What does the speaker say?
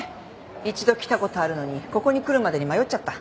一度来たことあるのにここに来るまでに迷っちゃった。